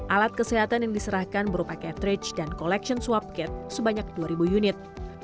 alat kesehatan yang diserahkan berupa catheridge dan collection swab kit sebanyak dua ribu unit